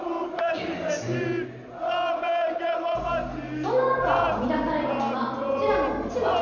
そんな中生み出されたのがこちらのうちわ。